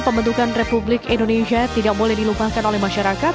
pembentukan republik indonesia tidak boleh dilupakan oleh masyarakat